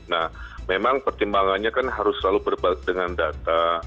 nah memang pertimbangannya kan harus selalu berbalik dengan data